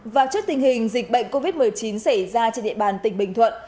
và trước tình hình dịch bệnh covid một mươi chín xảy ra trên địa bàn tỉnh bình thuận